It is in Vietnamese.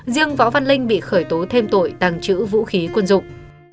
riêng võ văn linh bị khởi tố thêm tội tàng trữ vũ khí quân dụng